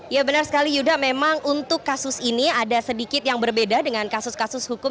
ya benar sekali yuda memang untuk kasus ini ada sedikit yang berbeda dengan kasus kasus hukum